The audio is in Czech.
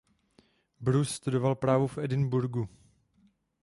Bruce studoval právo v Edinburghu.